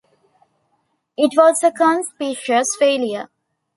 It was a conspicuous failure.